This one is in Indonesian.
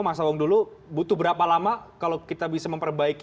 mas awang dulu butuh berapa lama kalau kita bisa memperbaiki